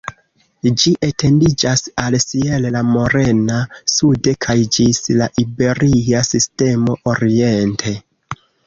Ĝi etendiĝas al Sierra Morena sude kaj ĝis la Iberia Sistemo oriente.